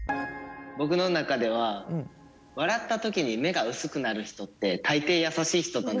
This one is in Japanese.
僕の中では笑った時に目が薄くなる人って大抵優しい人だなって。